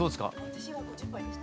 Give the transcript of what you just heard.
私は５０杯でした。